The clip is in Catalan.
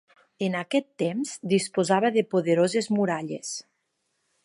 En aquest temps disposava de poderoses muralles.